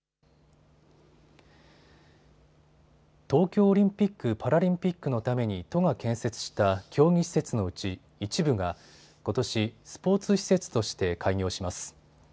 東京オリンピック・パラリンピックのために都が建設した競技施設のうち一部がことしスポーツ施設として開業します。